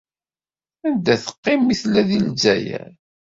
Anda ay teqqim mi tella deg Lezzayer?